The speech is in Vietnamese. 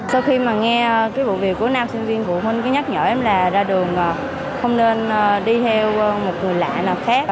sau khi mà nghe cái vụ việc của nam sinh viên phụ huynh cứ nhắc nhở em là ra đường không nên đi theo một người lạ nào khác